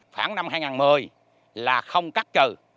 khoảng năm hai nghìn một mươi là không cắt trừ